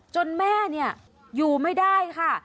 แม่เนี่ยอยู่ไม่ได้ค่ะ